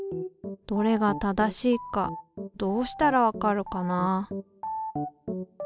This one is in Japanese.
どれが正しいかどうしたらわかるかな？